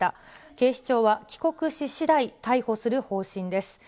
警視庁は帰国ししだい、逮捕する方針です。